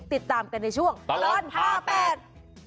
ติดตามกันในช่วงตลอดห้าแปด